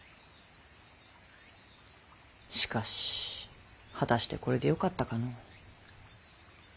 しかし果たしてこれでよかったかの。